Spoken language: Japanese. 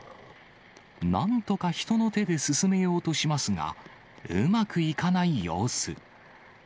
なんとか人の手で進めようとしますが、うまくいかない様子。